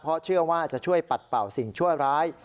เพราะเชื่อว่าจะช่วยปัดเป่าสิ่งชั่วร้าย